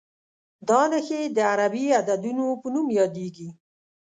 دا نښې د عربي عددونو په نوم یادېږي.